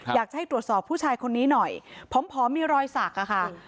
อยากจะให้ตรวจสอบผู้ชายคนนี้หน่อยผอมมีรอยสักค่ะ